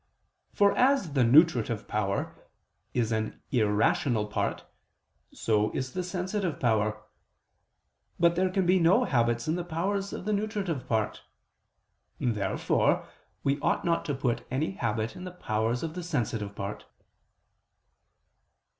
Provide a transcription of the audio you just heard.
For as the nutritive power is an irrational part, so is the sensitive power. But there can be no habits in the powers of the nutritive part. Therefore we ought not to put any habit in the powers of the sensitive part.